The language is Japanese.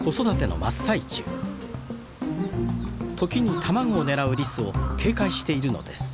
時に卵を狙うリスを警戒しているのです。